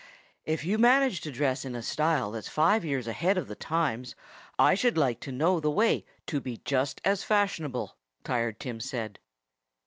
"If you manage to dress in a style that's five years ahead of the times, I should like to know the way to be just as fashionable," Tired Tim said.